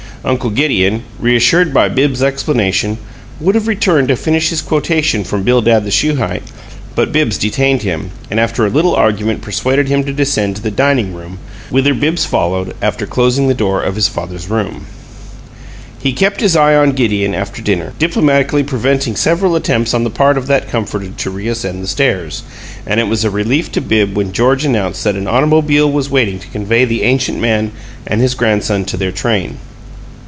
Uncle Gideon, reassured by Bibbs's explanation, would have returned to finish his quotation from Bildad the Shuhite, but Bibbs detained him, and after a little argument persuaded him to descend to the dining room whither Bibbs followed, after closing the door of his father's room. He kept his eye on Gideon after dinner, diplomatically preventing several attempts on the part of that comforter to reascend the stairs; and it was a relief to Bibbs when George announced that an automobile was waiting to convey the ancient man and his grandson to their train.